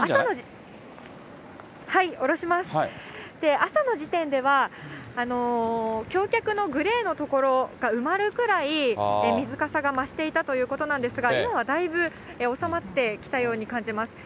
朝の時点では、橋脚のグレーの所が埋まるぐらい水かさが増していたということなんですが、今はだいぶ収まってきたように感じます。